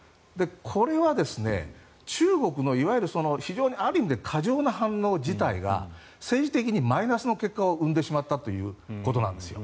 これは中国のいわゆる非常にある意味で過剰な反応自体が政治的にマイナスの結果を生んでしまったということなんです。